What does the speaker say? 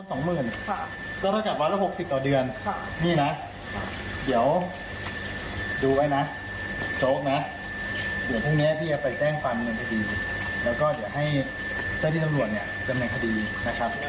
โอ้โหแล้วก็ต้องมานั่งแบบนี้นะฮะจนกระทั่งสามารถที่จะเรียกช่างมาตัดแม่กุญแจได้นะครับ